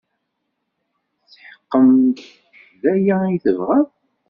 Tetḥeqqem d aya ay tebɣam?